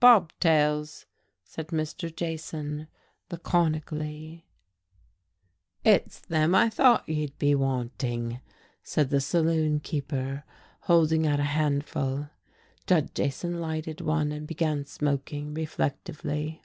"Bobtails," said Mr. Jason, laconically. "It's them I thought ye'd be wanting," said the saloon keeper, holding out a handful. Judd Jason lighted one, and began smoking reflectively.